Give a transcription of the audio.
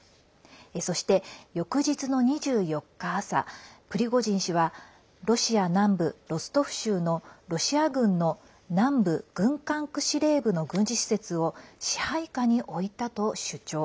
そして翌日の２４日朝プリゴジン氏はロシア南部ロストフ州のロシア軍の南部軍管区司令部の軍事施設を支配下に置いたと主張。